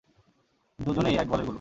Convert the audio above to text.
দুজনেই এক গোয়ালের গরু।